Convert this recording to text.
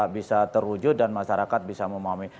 bisa terwujud dan masyarakat bisa memahami